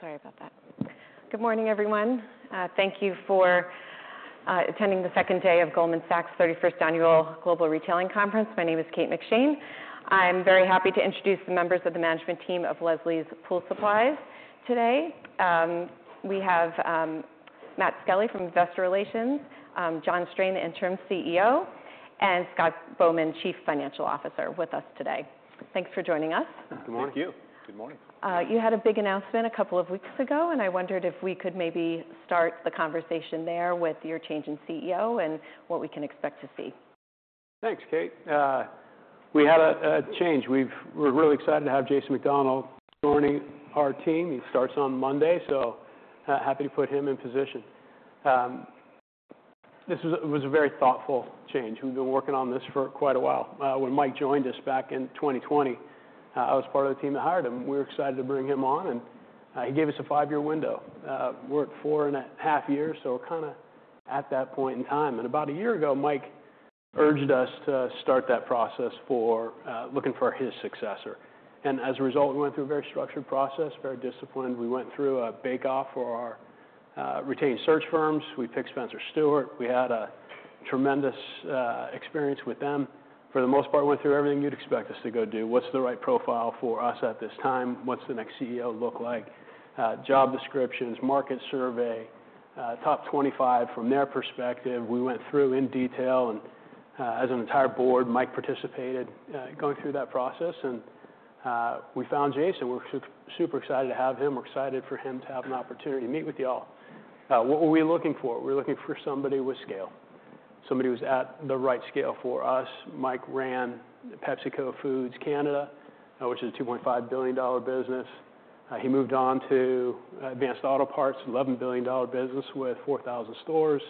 Sorry about that. Good morning, everyone. Thank you for attending the second day of Goldman Sachs 31st Annual Global Retailing conference. My name is Kate McShane. I'm very happy to introduce the members of the management team of Leslie's Pool Supplies. Today, we have Matt Skelly from Investor Relations, John Strain, the Interim CEO, and Scott Bowman, Chief Financial Officer, with us today. Thanks for joining us. Good morning. Thank you. Good morning. You had a big announcement a couple of weeks ago, and I wondered if we could maybe start the conversation there with your change in CEO and what we can expect to see? Thanks, Kate. We had a change. We're really excited to have Jason McDonell joining our team. He starts on Monday, so happy to put him in position. This was a very thoughtful change. We've been working on this for quite a while. When Mike joined us back in 2020, I was part of the team that hired him. We were excited to bring him on, and he gave us a five-year window. We're at four and a half years, so we're kinda at that point in time. About a year ago, Mike urged us to start that process for looking for his successor. As a result, we went through a very structured process, very disciplined. We went through a bake-off for our retained search firms. We picked Spencer Stuart. We had a tremendous experience with them. For the most part, we went through everything you'd expect us to go do. What's the right profile for us at this time? What's the next CEO look like? Job descriptions, market survey, top 25 from their perspective. We went through in detail, and as an entire board, Mike participated going through that process, and we found Jason. We're super excited to have him. We're excited for him to have an opportunity to meet with you all. What were we looking for? We were looking for somebody with scale, somebody who's at the right scale for us. Mike ran PepsiCo Foods Canada, which is a $2.5 billion business. He moved on to Advance Auto Parts, $11 billion business with 4,000 stores.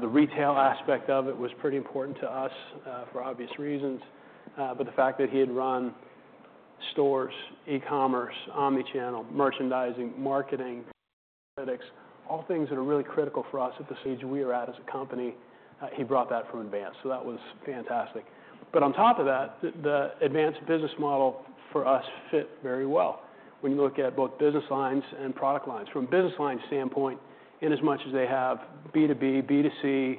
The retail aspect of it was pretty important to us, for obvious reasons. But the fact that he had run stores, e-commerce, omni-channel, merchandising, marketing, analytics, all things that are really critical for us at the stage we are at as a company, he brought that from Advance, so that was fantastic. But on top of that, the Advance business model for us fit very well when you look at both business lines and product lines. From a business line standpoint, in as much as they have B2B, B2C,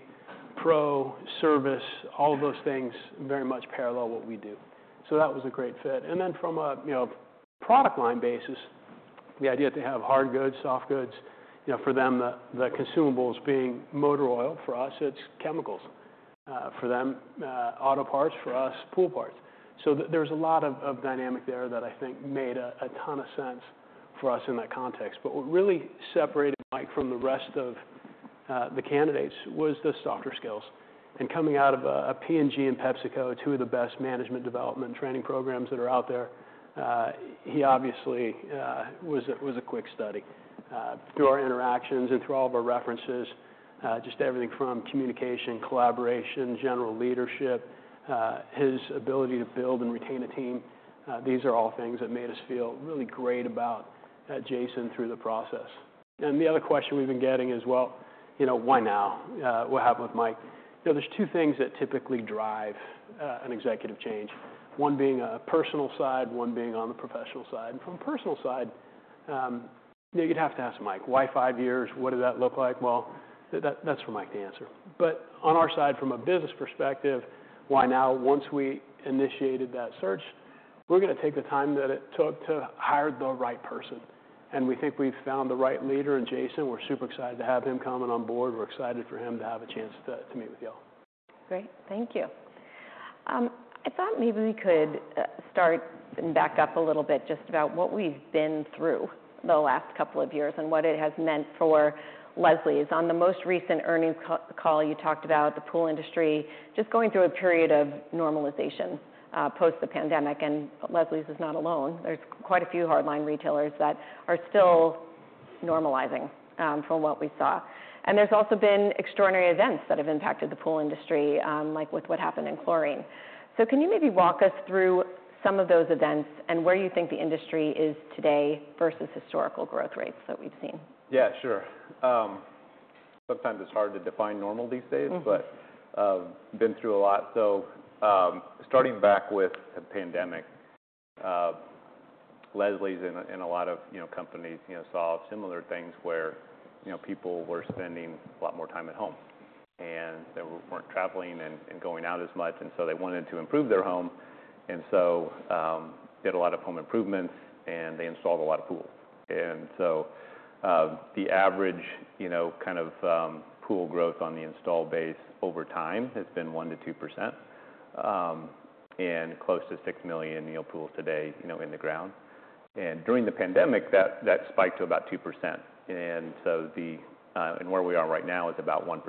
pro, service, all of those things very much parallel what we do. So that was a great fit. And then from a, you know, product line basis, the idea to have hard goods, soft goods, you know, for them, the consumables being motor oil, for us, it's chemicals. For them, auto parts, for us, pool parts. So there's a lot of dynamic there that I think made a ton of sense for us in that context. But what really separated Mike from the rest of the candidates was the softer skills. Coming out of P&G and PepsiCo, two of the best management development training programs that are out there, he obviously was a quick study. Through our interactions and through all of our references, just everything from communication, collaboration, general leadership, his ability to build and retain a team, these are all things that made us feel really great about Jason through the process. The other question we've been getting is, "Well, you know, why now? What happened with Mike?" You know, there's two things that typically drive an executive change, one being a personal side, one being on the professional side, and from personal side, you'd have to ask Mike, "Why five years? What did that look like?" Well, that's for Mike to answer, but on our side, from a business perspective, why now? Once we initiated that search, we're gonna take the time that it took to hire the right person, and we think we've found the right leader in Jason. We're super excited to have him coming on board. We're excited for him to have a chance to meet with y'all. Great. Thank you. I thought maybe we could start and back up a little bit just about what we've been through the last couple of years and what it has meant for Leslie's. On the most recent earnings call, you talked about the pool industry just going through a period of normalization post the pandemic, and Leslie's is not alone. There's quite a few hardline retailers that are still normalizing from what we saw. And there's also been extraordinary events that have impacted the pool industry, like with what happened in chlorine. So can you maybe walk us through some of those events and where you think the industry is today versus historical growth rates that we've seen? Yeah, sure. Sometimes it's hard to define normal these days. Mm-hmm. But, been through a lot. So, starting back with the pandemic, Leslie's and a lot of, you know, companies, you know, saw similar things where, you know, people were spending a lot more time at home, and they weren't traveling and going out as much, and so they wanted to improve their home. And so, did a lot of home improvements, and they installed a lot of pools. And so, the average, you know, kind of, pool growth on the install base over time has been 1%-2%, and close to 6 million you know, pools today, you know, in the ground. And during the pandemic, that spiked to about 2%, and so the... And where we are right now is about 1%,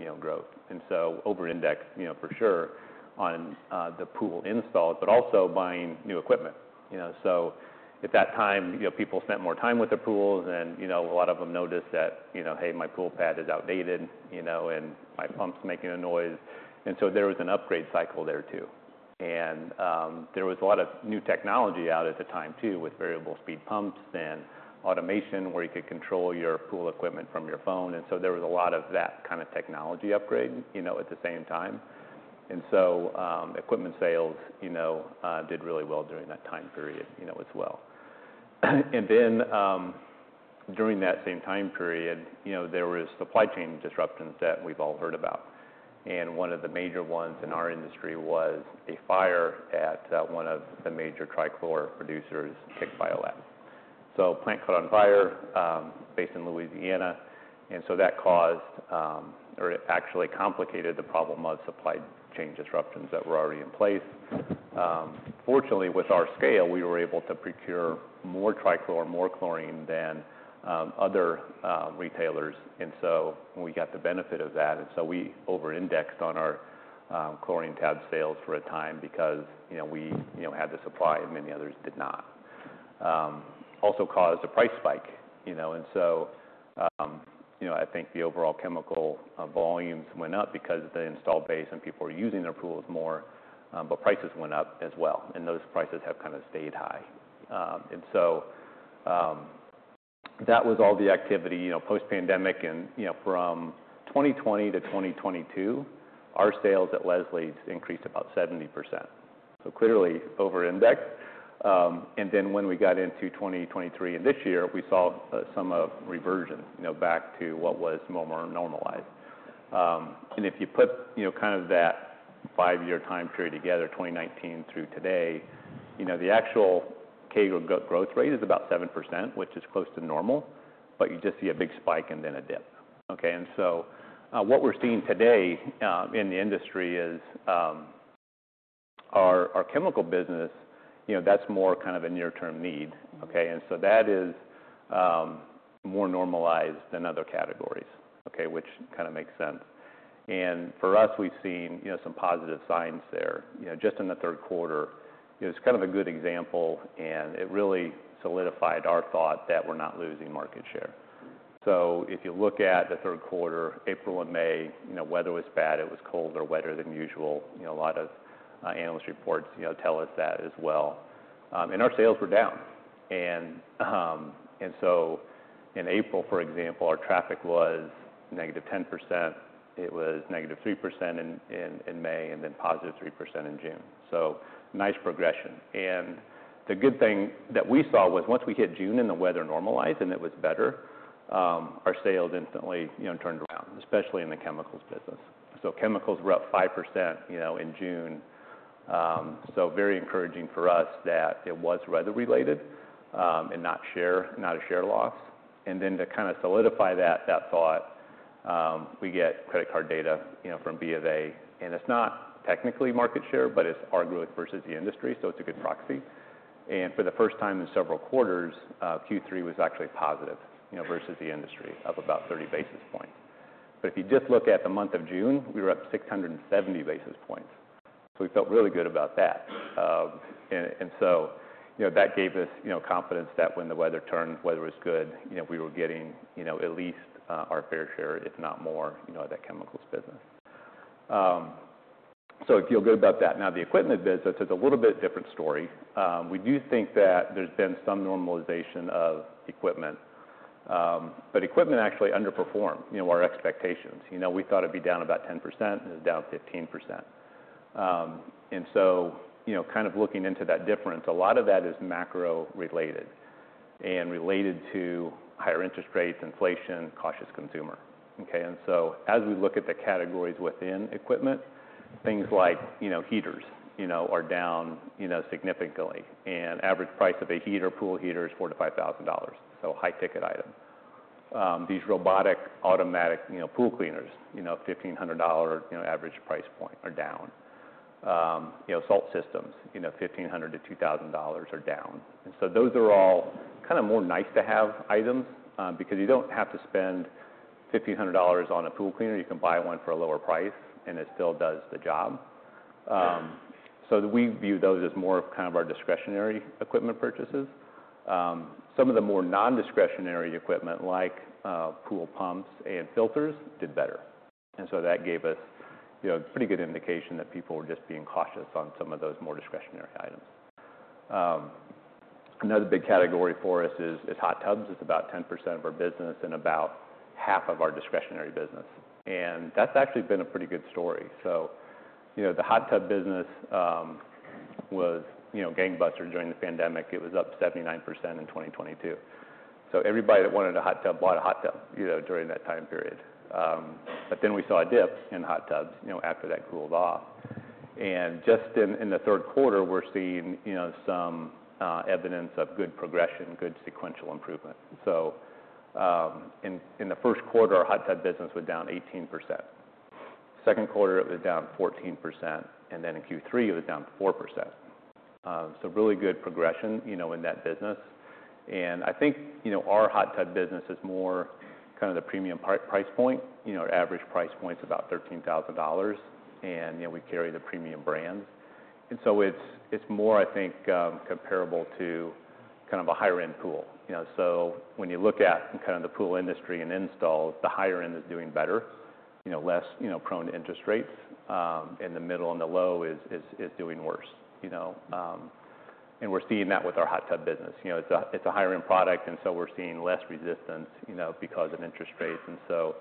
you know, growth. And so over-index, you know, for sure on the pool installs, but also buying new equipment. You know, so at that time, you know, people spent more time with their pools, and, you know, a lot of them noticed that, you know, "Hey, my pool pad is outdated," you know, and, "My pump's making a noise." And so there was an upgrade cycle there, too. And there was a lot of new technology out at the time, too, with variable speed pumps and automation, where you could control your pool equipment from your phone. And so there was a lot of that kind of technology upgrade, you know, at the same time. And so equipment sales, you know, did really well during that time period, you know, as well. And then, during that same time period, you know, there was supply chain disruptions that we've all heard about, and one of the major ones in our industry was a fire at one of the major trichlor producers, KIK BioLab. So plant caught on fire, based in Louisiana, and so that caused, or it actually complicated the problem of supply chain disruptions that were already in place. Fortunately, with our scale, we were able to procure more trichlor, more chlorine than other retailers, and so we got the benefit of that. And so we overindexed on our chlorine tab sales for a time because, you know, we, you know, had the supply, and many others did not. Also caused a price spike, you know, and so, you know, I think the overall chemical volumes went up because of the install base, and people were using their pools more, but prices went up as well, and those prices have kind of stayed high, and so that was all the activity, you know, post-pandemic. You know, from 2020 to 2022, our sales at Leslie's increased about 70%, so clearly overindex. Then when we got into 2023 and this year, we saw some reversion, you know, back to what was more normalized. And if you put, you know, kind of that five-year time period together, 2019 through today, you know, the actual CAGR growth rate is about 7%, which is close to normal, but you just see a big spike and then a dip. Okay, and so what we're seeing today in the industry is our chemical business, you know, that's more kind of a near-term need, okay? And so that is more normalized than other categories, okay? Which kind of makes sense. And for us, we've seen, you know, some positive signs there. You know, just in the third quarter, it's kind of a good example, and it really solidified our thought that we're not losing market share. So if you look at the third quarter, April and May, you know, weather was bad. It was colder, wetter than usual. You know, a lot of analyst reports, you know, tell us that as well, and our sales were down, and so in April, for example, our traffic was -10%, it was -3% in May, and then +3% in June. So nice progression, and the good thing that we saw was once we hit June and the weather normalized, and it was better, our sales instantly, you know, turned around, especially in the chemicals business, so chemicals were up 5%, you know, in June, so very encouraging for us that it was weather-related, and not a share loss. And then to kind of solidify that, that thought, we get credit card data, you know, from BofA, and it's not technically market share, but it's arguably versus the industry, so it's a good proxy. For the first time in several quarters, Q3 was actually positive, you know, versus the industry of about thirty basis points. But if you just look at the month of June, we were up 670 basis points, so we felt really good about that. And so, you know, that gave us, you know, confidence that when the weather turned, weather was good, you know, we were getting, you know, at least, our fair share, if not more, you know, at that chemicals business. So I feel good about that. Now, the equipment business is a little bit different story. We do think that there's been some normalization of equipment, but equipment actually underperformed, you know, our expectations. You know, we thought it'd be down about 10%, and it's down 15%. And so, you know, kind of looking into that difference, a lot of that is macro-related and related to higher interest rates, inflation, cautious consumer, okay? And so as we look at the categories within equipment, things like, you know, heaters, you know, are down, you know, significantly. And average price of a heater, pool heater is $4,000-$5,000, so high ticket item. These robotic, automatic, you know, pool cleaners, you know, $1,500, you know, average price point are down. You know, salt systems, you know, $1,500-$2,000 are down. And so those are all kind of more nice-to-have items, because you don't have to spend $1,500 on a pool cleaner. You can buy one for a lower price, and it still does the job. So we view those as more of kind of our discretionary equipment purchases. Some of the more non-discretionary equipment, like pool pumps and filters, did better. And so that gave us, you know, pretty good indication that people were just being cautious on some of those more discretionary items. Another big category for us is hot tubs. It's about 10% of our business and about half of our discretionary business, and that's actually been a pretty good story. So, you know, the hot tub business was, you know, gangbuster during the pandemic. It was up 79% in 2022. Everybody that wanted a hot tub bought a hot tub, you know, during that time period. Then we saw a dip in hot tubs, you know, after that cooled off. Just in the third quarter, we're seeing, you know, some evidence of good progression, good sequential improvement. In the first quarter, our hot tub business was down 18%. Second quarter, it was down 14%, and then in Q3, it was down 4%. Really good progression, you know, in that business. I think, you know, our hot tub business is more kind of the premium price point. You know, our average price point is about $13,000, and, you know, we carry the premium brands. It's more, I think, comparable to kind of a higher end pool. You know, so when you look at kind of the pool industry and installs, the higher end is doing better, you know, less, you know, prone to interest rates. In the middle and the low is doing worse, you know, and we're seeing that with our hot tub business. You know, it's a higher end product, and so we're seeing less resistance, you know, because of interest rates, and so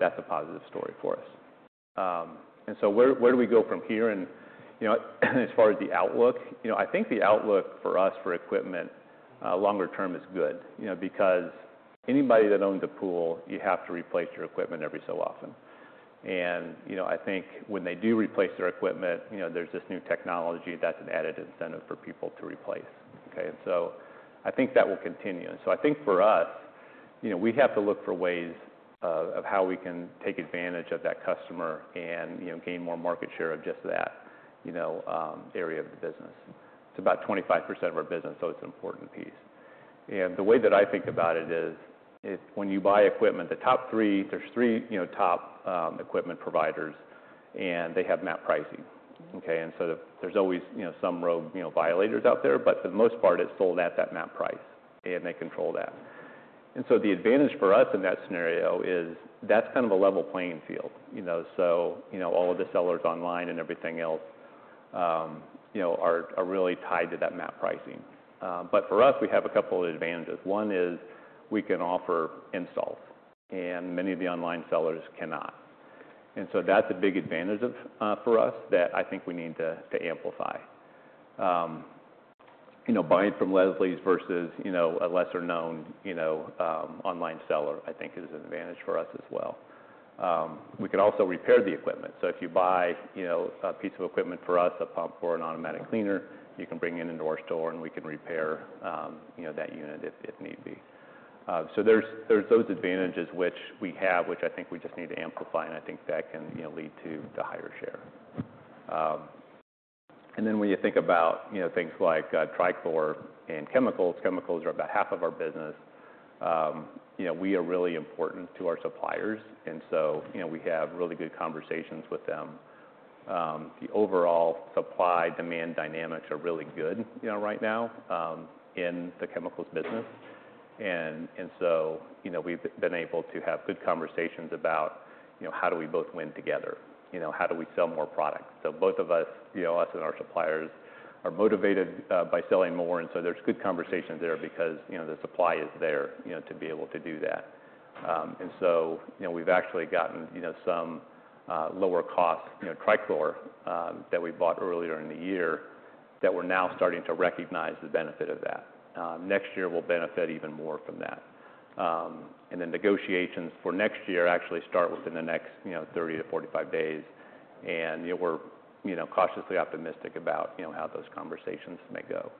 that's a positive story for us. And so where do we go from here? And, you know, as far as the outlook, you know, I think the outlook for us for equipment longer term is good, you know, because anybody that owns a pool, you have to replace your equipment every so often. And, you know, I think when they do replace their equipment, you know, there's this new technology that's an added incentive for people to replace, okay? And so I think that will continue. And so I think for us, you know, we have to look for ways of how we can take advantage of that customer and, you know, gain more market share of just that, you know, area of the business. It's about 25% of our business, so it's an important piece. And the way that I think about it is, if when you buy equipment, the top three, there's three, you know, top equipment providers, and they have MAP pricing, okay? And so the... There's always, you know, some rogue, you know, violators out there, but for the most part, it's sold at that MAP price, and they control that. The advantage for us in that scenario is that's kind of a level playing field, you know. You know, all of the sellers online and everything else, you know, are really tied to that MAP pricing. But for us, we have a couple of advantages. One is, we can offer install, and many of the online sellers cannot, and so that's a big advantage for us that I think we need to amplify. You know, buying from Leslie's versus, you know, a lesser-known, you know, online seller, I think is an advantage for us as well. We can also repair the equipment, so if you buy, you know, a piece of equipment for us, a pump or an automatic cleaner, you can bring it into our store, and we can repair, you know, that unit if need be. So there's those advantages which we have, which I think we just need to amplify, and I think that can, you know, lead to higher share. And then when you think about, you know, things like Trichlor and chemicals, chemicals are about half of our business. You know, we are really important to our suppliers, and so, you know, we have really good conversations with them. The overall supply-demand dynamics are really good, you know, right now, in the chemicals business. You know, we've been able to have good conversations about, you know, how do we both win together? You know, how do we sell more product? So both of us, you know, us and our suppliers, are motivated by selling more, and so there's good conversations there because, you know, the supply is there, you know, to be able to do that. And so, you know, we've actually gotten, you know, some lower cost, you know, Trichlor that we bought earlier in the year, that we're now starting to recognize the benefit of that. Next year we'll benefit even more from that. And then negotiations for next year actually start within the next, you know, 30-45 days, and, you know, we're, you know, cautiously optimistic about, you know, how those conversations may go.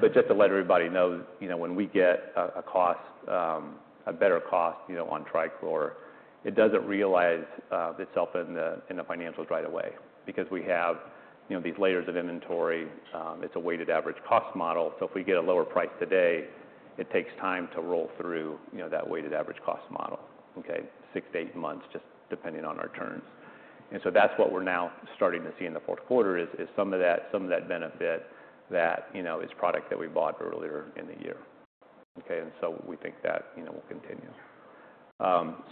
But just to let everybody know, you know, when we get a better cost, you know, on Trichlor, it doesn't realize itself in the financials right away, because we have, you know, these layers of inventory. It's a weighted average cost model, so if we get a lower price today, it takes time to roll through, you know, that weighted average cost model, okay? Six to eight months, just depending on our terms, and so that's what we're now starting to see in the fourth quarter, is some of that benefit that, you know, is product that we bought earlier in the year, okay? And so we think that, you know, will continue,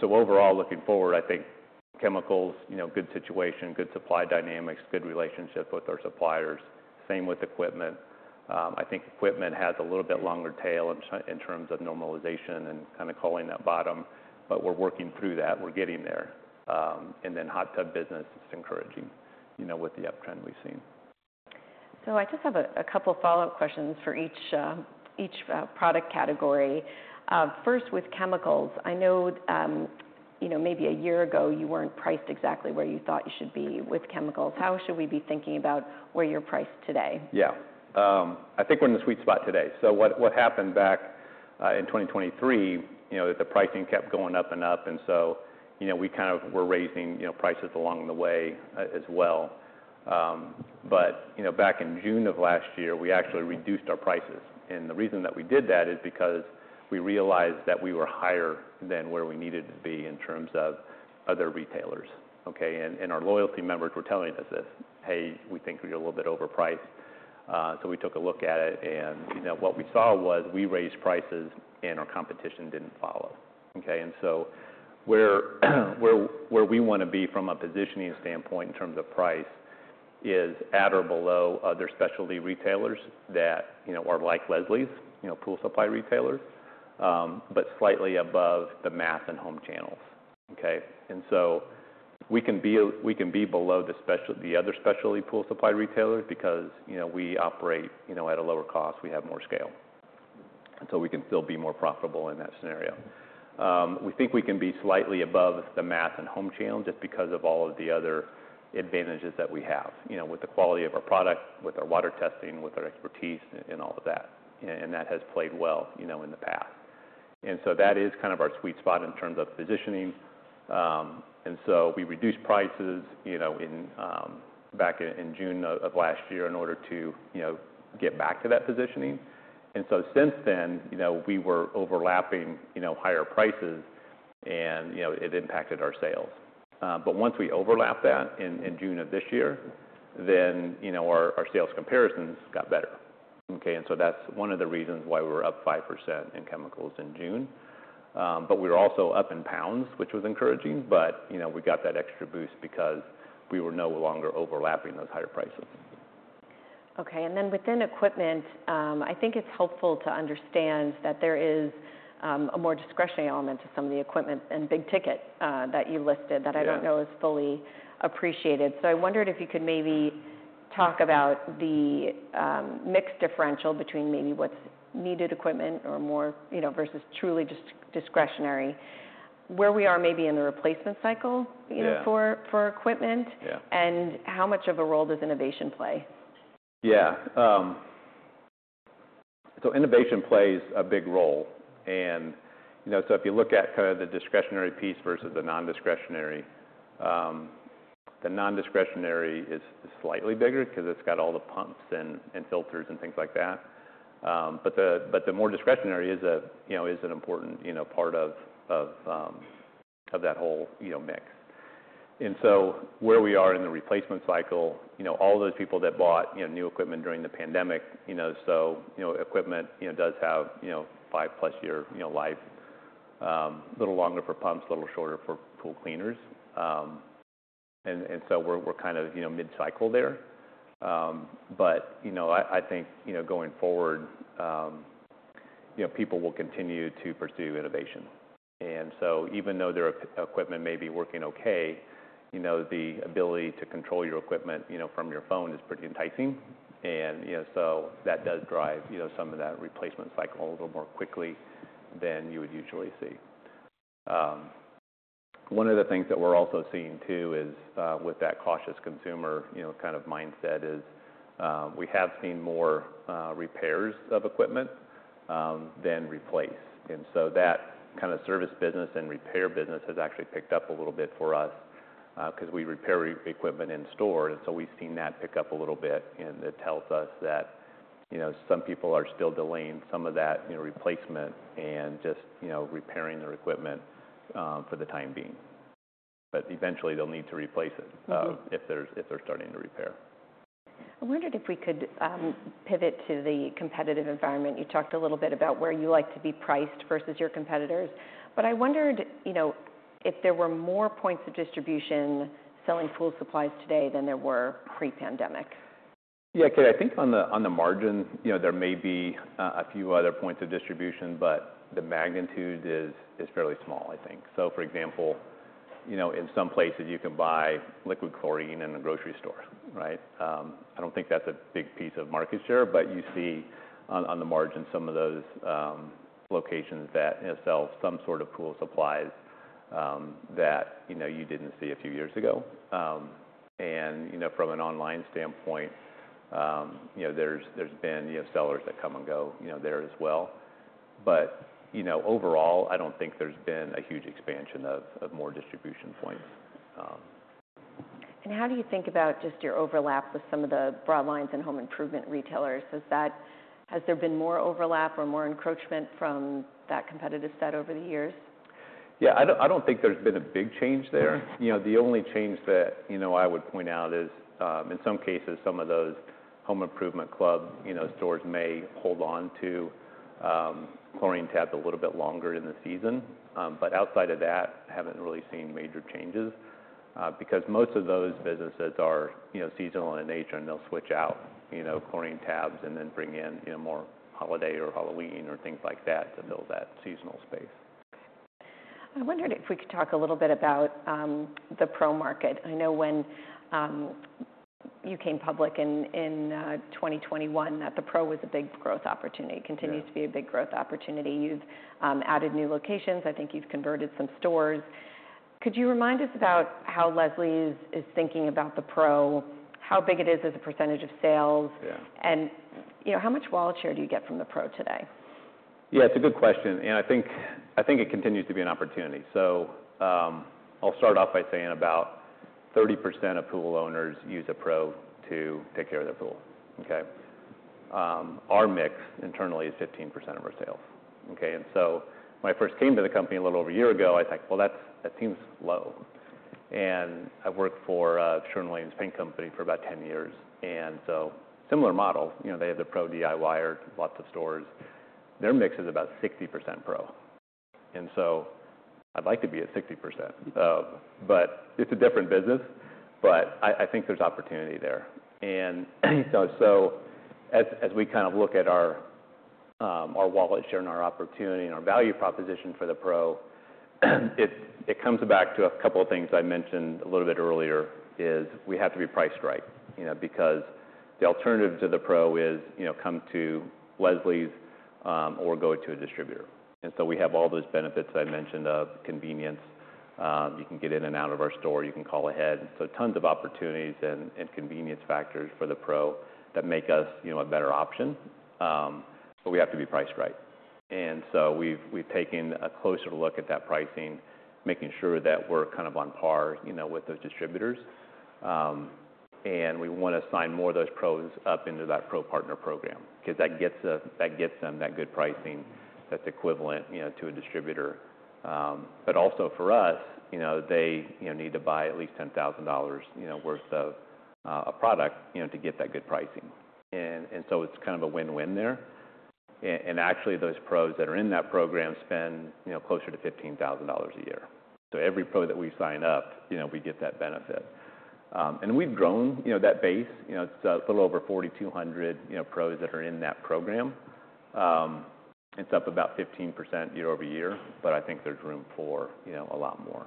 so overall, looking forward, I think chemicals, you know, good situation, good supply dynamics, good relationship with our suppliers. Same with equipment. I think equipment has a little bit longer tail in terms of normalization and kind of calling that bottom, but we're working through that. We're getting there. And then hot tub business is encouraging, you know, with the uptrend we've seen. So I just have a couple follow-up questions for each product category. First, with chemicals, I know, you know, maybe a year ago, you weren't priced exactly where you thought you should be with chemicals. How should we be thinking about where you're priced today? Yeah. I think we're in the sweet spot today. So what happened back in 2023, you know, that the pricing kept going up and up, and so, you know, we kind of were raising, you know, prices along the way as well. But, you know, back in June of last year, we actually reduced our prices, and the reason that we did that is because we realized that we were higher than where we needed to be in terms of other retailers, okay? And our loyalty members were telling us this: "Hey, we think you're a little bit overpriced." So we took a look at it, and, you know, what we saw was we raised prices, and our competition didn't follow, okay? Where we wanna be from a positioning standpoint in terms of price is at or below other specialty retailers that, you know, are like Leslie's, you know, pool supply retailers, but slightly above the Mass and home channels, okay? We can be below the other specialty pool supply retailers, because, you know, we operate, you know, at a lower cost, we have more scale, and so we can still be more profitable in that scenario. We think we can be slightly above the Mass and home channels, just because of all of the other advantages that we have, you know, with the quality of our product, with our water testing, with our expertise, and all of that, and that has played well, you know, in the past. And so that is kind of our sweet spot in terms of positioning. And so we reduced prices, you know, back in June of last year in order to, you know, get back to that positioning. And so since then, you know, we were overlapping, you know, higher prices, and, you know, it impacted our sales. But once we overlapped that in June of this year, then, you know, our sales comparisons got better. Okay, and so that's one of the reasons why we're up 5% in chemicals in June. But we're also up in pounds, which was encouraging, but, you know, we got that extra boost because we were no longer overlapping those higher prices. Okay, and then within equipment, I think it's helpful to understand that there is a more discretionary element to some of the equipment and big ticket that you listed- Yeah. - that I don't know is fully appreciated. So I wondered if you could maybe talk about the mix differential between maybe what's needed equipment or more, you know, versus truly discretionary, where we are maybe in the replacement cycle, you know- Yeah.... for equipment? Yeah. How much of a role does innovation play? Yeah, so innovation plays a big role, and, you know, so if you look at kind of the discretionary piece versus the non-discretionary, the non-discretionary is slightly bigger 'cause it's got all the pumps and filters, and things like that. But the more discretionary is, you know, an important, you know, part of that whole, you know, mix. And so where we are in the replacement cycle, you know, all those people that bought, you know, new equipment during the pandemic, you know, so, you know, equipment, you know, does have, you know, 5+ year life. A little longer for pumps, a little shorter for pool cleaners. And so we're, we're kind of, you know, mid-cycle there. But, you know, I think, you know, going forward, you know, people will continue to pursue innovation. And so even though their equipment may be working okay, you know, the ability to control your equipment, you know, from your phone is pretty enticing. And, you know, so that does drive, you know, some of that replacement cycle a little more quickly than you would usually see. One of the things that we're also seeing, too, is with that cautious consumer, you know, kind of mindset is we have seen more repairs of equipment than replace. And so that kind of service business and repair business has actually picked up a little bit for us, 'cause we repair equipment in store, and so we've seen that pick up a little bit, and it tells us that, you know, some people are still delaying some of that, you know, replacement and just, you know, repairing their equipment, for the time being. But eventually they'll need to replace it- Mm-hmm.... if they're starting to repair. I wondered if we could, pivot to the competitive environment. You talked a little bit about where you like to be priced versus your competitors, but I wondered, you know, if there were more points of distribution selling pool supplies today than there were pre-pandemic? Yeah, Kate, I think on the margin, you know, there may be a few other points of distribution, but the magnitude is fairly small, I think. So, for example, you know, in some places you can buy liquid chlorine in the grocery store, right? I don't think that's a big piece of market share, but you see on the margin, some of those locations that, you know, sell some sort of pool supplies, that, you know, you didn't see a few years ago. And, you know, from an online standpoint, you know, there's been, you know, sellers that come and go, you know, there as well. But, you know, overall, I don't think there's been a huge expansion of more distribution points. How do you think about just your overlap with some of the broadline and home improvement retailers? Is that... Has there been more overlap or more encroachment from that competitive set over the years? Yeah, I don't think there's been a big change there. Mm-hmm. You know, the only change that, you know, I would point out is in some cases, some of those home improvement club, you know, stores may hold on to chlorine tabs a little bit longer in the season. But outside of that, haven't really seen major changes because most of those businesses are, you know, seasonal in nature, and they'll switch out, you know, chlorine tabs and then bring in, you know, more holiday or Halloween or things like that to build that seasonal space. I wondered if we could talk a little bit about the pro market. I know when you came public in 2021, that the pro was a big growth opportunity. Yeah. Continues to be a big growth opportunity. You've added new locations, I think you've converted some stores. Could you remind us about how Leslie's is thinking about the pro, how big it is as a percentage of sales? Yeah. You know, how much wallet share do you get from the pro today? Yeah, it's a good question, and I think, I think it continues to be an opportunity. So, I'll start off by saying about 30% of pool owners use a pro to take care of their pool, okay? Our mix internally is 15% of our sales, okay? And so when I first came to the company a little over a year ago, I was like, "Well, that's- that seems low." And I've worked for, Sherwin-Williams Paint Company for about 10 years, and so similar model, you know, they have the pro DIY or lots of stores. Their mix is about 60% pro, and so I'd like to be at 60%. But it's a different business, but I, I think there's opportunity there. So as we kind of look at our wallet share and our opportunity and our value proposition for the pro, it comes back to a couple of things I mentioned a little bit earlier, is we have to be priced right. You know, because the alternative to the pro is, you know, come to Leslie's or go to a distributor. And so we have all those benefits I mentioned of convenience. You can get in and out of our store, you can call ahead, so tons of opportunities and convenience factors for the pro that make us, you know, a better option. But we have to be priced right. And so we've taken a closer look at that pricing, making sure that we're kind of on par, you know, with those distributors. And we want to sign more of those Pros up into that Pro Partner Program, 'cause that gets them that good pricing that's equivalent, you know, to a distributor. But also for us, you know, they need to buy at least $10,000 worth of a product, you know, to get that good pricing. And so it's kind of a win-win there. And actually, those Pros that are in that program spend, you know, closer to $15,000 a year. So every Pro that we sign up, you know, we get that benefit. And we've grown that base, you know; it's a little over 4,200 Pros that are in that program. It's up about 15% year-over-year, but I think there's room for, you know, a lot more.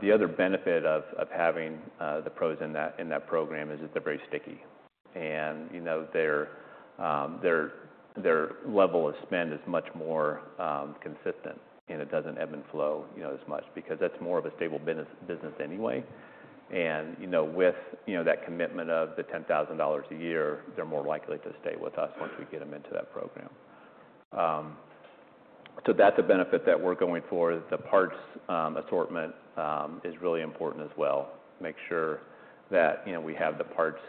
The other benefit of having the Pros in that program is that they're very sticky. You know, their level of spend is much more consistent, and it doesn't ebb and flow, you know, as much, because that's more of a stable business anyway. You know, with that commitment of $10,000 a year, they're more likely to stay with us once we get them into that program. So that's a benefit that we're going for. The parts assortment is really important as well, to make sure that you know, we have the parts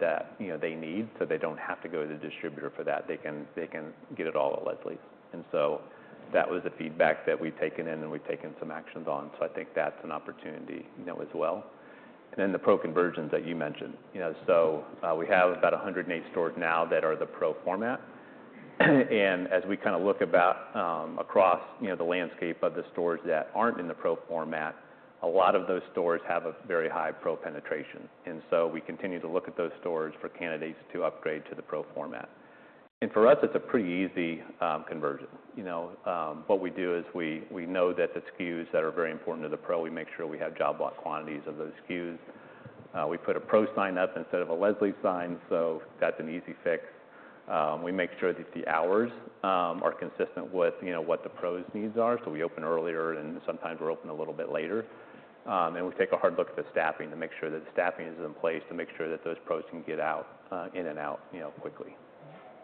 that you know, they need, so they don't have to go to the distributor for that. They can get it all at Leslie's. And so that was the feedback that we've taken in, and we've taken some actions on. So I think that's an opportunity, you know, as well. And then the Pro conversions that you mentioned. You know, so, we have about 108 stores now that are the Pro format. And as we kind of look about, across, you know, the landscape of the stores that aren't in the Pro format, a lot of those stores have a very high Pro penetration, and so we continue to look at those stores for candidates to upgrade to the Pro format. And for us, it's a pretty easy, conversion. You know, what we do is we know that the SKUs that are very important to the Pro, we make sure we have job lot quantities of those SKUs. We put a Pro sign up instead of a Leslie's sign, so that's an easy fix. We make sure that the hours are consistent with, you know, what the Pro's needs are, so we open earlier, and sometimes we're open a little bit later. And we take a hard look at the staffing to make sure that staffing is in place, to make sure that those Pros can get in and out, you know, quickly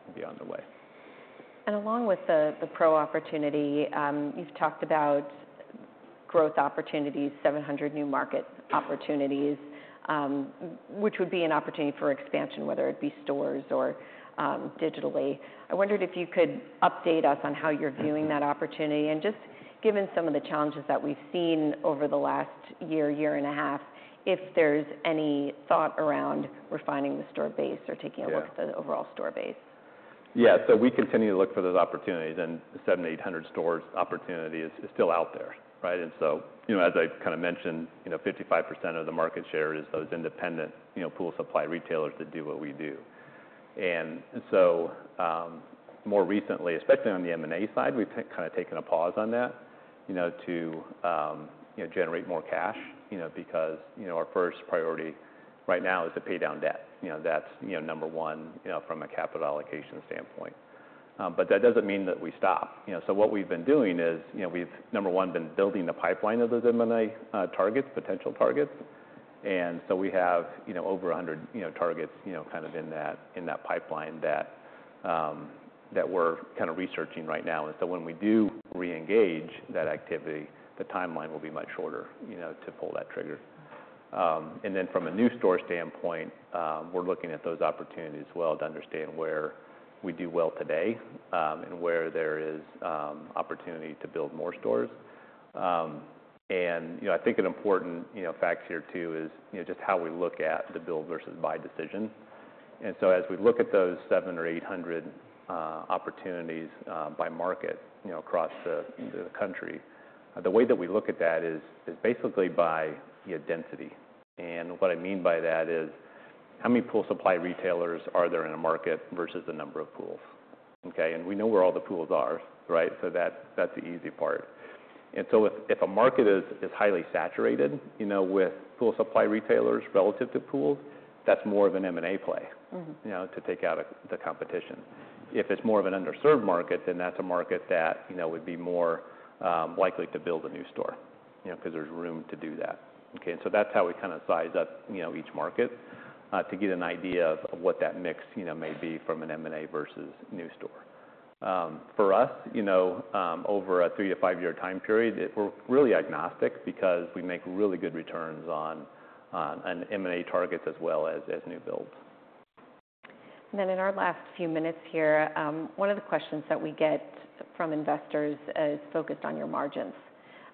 and be on their way. Along with the Pro opportunity, you've talked about growth opportunities, 700 new market opportunities, which would be an opportunity for expansion, whether it be stores or digitally. I wondered if you could update us on how you're viewing that opportunity, and just given some of the challenges that we've seen over the last year and a half, if there's any thought around refining the store base or taking- Yeah.... a look at the overall store base? Yeah. So we continue to look for those opportunities, and the 700-800 stores opportunity is still out there, right? And so, you know, as I kind of mentioned, you know, 55% of the market share is those independent, you know, pool supply retailers that do what we do. And so, more recently, especially on the M&A side, we've kind of taken a pause on that, you know, to, you know, generate more cash, you know, because, you know, our first priority right now is to pay down debt. You know, that's, you know, number one, you know, from a capital allocation standpoint. But that doesn't mean that we stop. You know, so what we've been doing is, you know, we've, number one, been building the pipeline of those M&A targets, potential targets. And so we have, you know, over a hundred, you know, targets, you know, kind of in that, in that pipeline that that we're kind of researching right now. And so when we do re-engage that activity, the timeline will be much shorter, you know, to pull that trigger. And then from a new store standpoint, we're looking at those opportunities as well, to understand where we do well today, and where there is opportunity to build more stores. And, you know, I think an important, you know, fact here, too, is, you know, just how we look at the build versus buy decision. And so as we look at those 700 or 800 opportunities, by market, you know, across the, the country, the way that we look at that is, is basically by, yeah, density. And what I mean by that is, how many pool supply retailers are there in a market versus the number of pools? Okay, and we know where all the pools are, right? So that's the easy part. And so if a market is highly saturated, you know, with pool supply retailers relative to pools, that's more of an M&A play- Mm-hmm. You know, to take out the competition. If it's more of an underserved market, then that's a market that, you know, would be more likely to build a new store, you know, because there's room to do that. Okay, and so that's how we kind of size up, you know, each market to get an idea of what that mix, you know, may be from an M&A versus new store. For us, you know, over a 3-5 year time period, we're really agnostic because we make really good returns on an M&A target as well as new builds. In our last few minutes here, one of the questions that we get from investors is focused on your margins,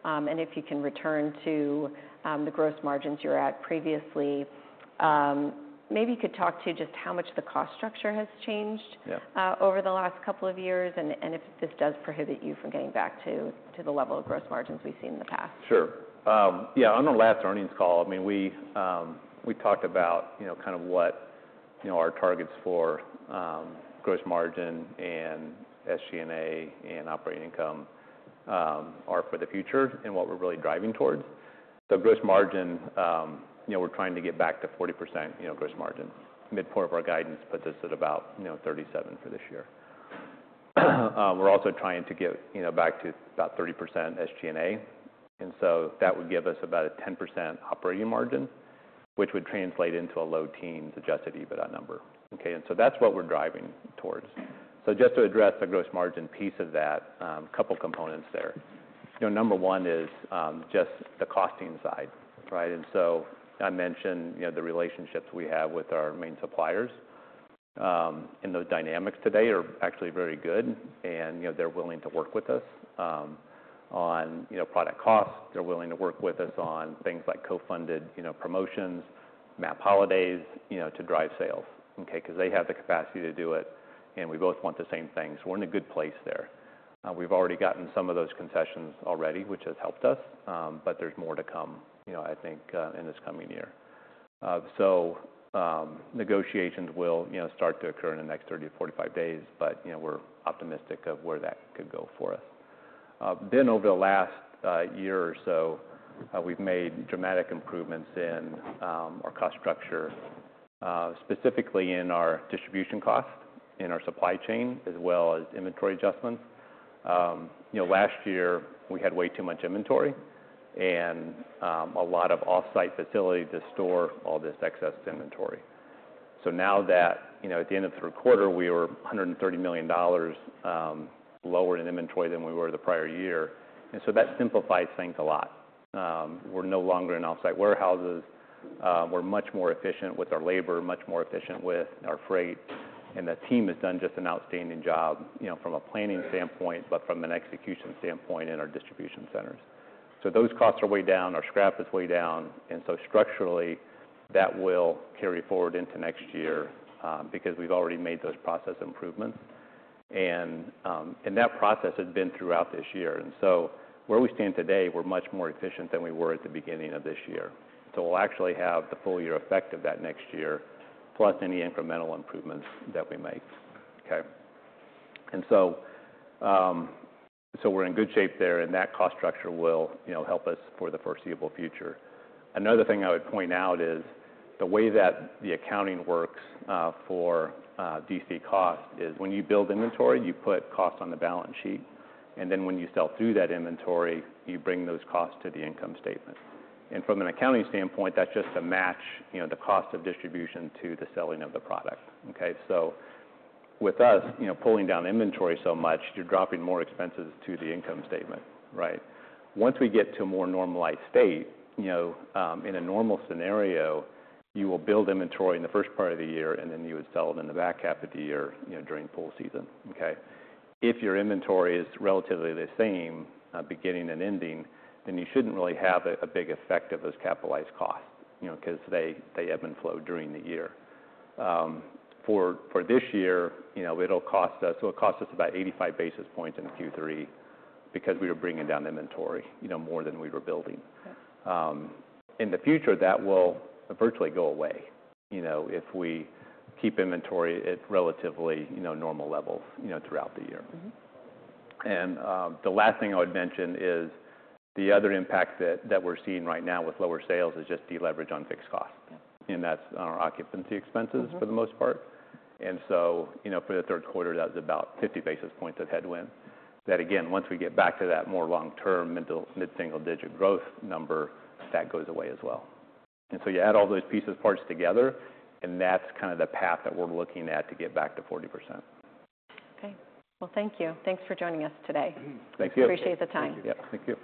and if you can return to the gross margins you were at previously. Maybe you could talk to just how much the cost structure has changed. Yeah.... over the last couple of years, and if this does prohibit you from getting back to the level of gross margins we've seen in the past. Sure. Yeah, on the last earnings call, I mean, we talked about, you know, kind of what, you know, our targets for gross margin and SG&A and operating income are for the future, and what we're really driving towards. So gross margin, you know, we're trying to get back to 40%, you know, gross margin. Midpoint of our guidance puts us at about, you know, 37% for this year. We're also trying to get, you know, back to about 30% SG&A, and so that would give us about a 10% operating margin, which would translate into a low teens adjusted EBITDA number, okay? And so that's what we're driving towards. So just to address the gross margin piece of that, couple components there. You know, number one is just the costing side, right? And so I mentioned, you know, the relationships we have with our main suppliers, and those dynamics today are actually very good. And, you know, they're willing to work with us, on, you know, product costs. They're willing to work with us on things like co-funded, you know, promotions... MAP holidays, you know, to drive sales, okay? 'Cause they have the capacity to do it, and we both want the same thing, so we're in a good place there. We've already gotten some of those concessions already, which has helped us, but there's more to come, you know, I think, in this coming year. So, negotiations will, you know, start to occur in the next 30-45 days, but, you know, we're optimistic of where that could go for us. Then over the last year or so, we've made dramatic improvements in our cost structure, specifically in our distribution costs, in our supply chain, as well as inventory adjustments. You know, last year we had way too much inventory and a lot of offsite facility to store all this excess inventory. So now that, you know, at the end of the third quarter, we were $130 million lower in inventory than we were the prior year, and so that simplifies things a lot. We're no longer in offsite warehouses. We're much more efficient with our labor, much more efficient with our freight, and the team has done just an outstanding job, you know, from a planning standpoint, but from an execution standpoint in our distribution centers. Those costs are way down, our scrap is way down, and so structurally, that will carry forward into next year, because we've already made those process improvements. That process has been throughout this year, and so where we stand today, we're much more efficient than we were at the beginning of this year. We'll actually have the full year effect of that next year, plus any incremental improvements that we make, okay? We're in good shape there, and that cost structure will, you know, help us for the foreseeable future. Another thing I would point out is, the way that the accounting works for DC costs is, when you build inventory, you put costs on the balance sheet, and then when you sell through that inventory, you bring those costs to the income statement. From an accounting standpoint, that's just to match, you know, the cost of distribution to the selling of the product, okay? So with us, you know, pulling down inventory so much, you're dropping more expenses to the income statement, right? Once we get to a more normalized state, you know, in a normal scenario, you will build inventory in the first part of the year, and then you would sell it in the back half of the year, you know, during pool season, okay? If your inventory is relatively the same, beginning and ending, then you shouldn't really have a big effect of those capitalized costs, you know, 'cause they ebb and flow during the year. For this year, you know, it'll cost us... So it cost us about 85 basis points in Q3, because we were bringing down inventory, you know, more than we were building. In the future, that will virtually go away, you know, if we keep inventory at relatively, you know, normal levels, you know, throughout the year. Mm-hmm. The last thing I would mention is, the other impact that we're seeing right now with lower sales is just deleverage on fixed costs. Yeah. And that's on our occupancy expenses. Mm-hmm. For the most part. And so, you know, for the third quarter, that was about 50 basis points of headwind, that again, once we get back to that more long-term normal mid-single-digit growth number, that goes away as well. And so you add all those pieces, parts together, and that's kind of the path that we're looking at to get back to 40%. Okay. Thank you. Thanks for joining us today. Thank you. Appreciate the time. Yeah. Thank you.